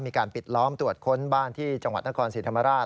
มีการปิดล้อมตรวจค้นบ้านที่จังหวัดนครศรีธรรมราช